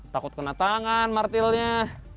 takut kena tangan martilnya